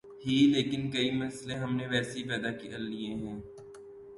ہی لیکن کئی مسئلے ہم نے ویسے ہی پیدا کر لئے ہیں۔